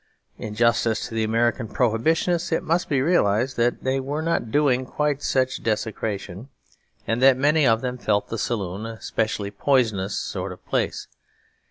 In justice to the American Prohibitionists it must be realised that they were not doing quite such desecration; and that many of them felt the saloon a specially poisonous sort of place.